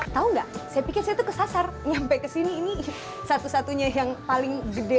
tahu nggak saya pikir itu ke sasar nyampe kesini ini satu satunya yang paling gede